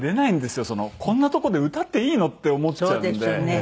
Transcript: こんな所で歌っていいの？って思っちゃうんで。